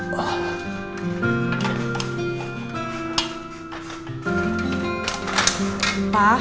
boleh nggak ya